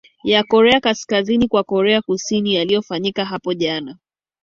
ya korea kaskazini kwa korea kusini yaliofanyika hapo jana